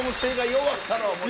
よかったのう。